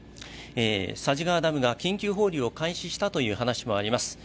佐治川ダムが緊急放流を開始したという話もあります。